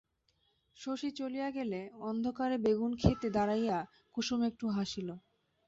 শশী চলিয়া গেলে অন্ধকারে বেগুনক্ষেতে দাড়াইয়া কুসুম একটু হাসিল।